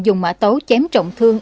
dùng mã tấu chém trọng thương